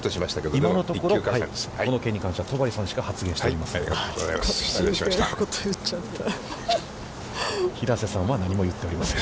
今のところ、この件に関しては、戸張さんしか発言していません。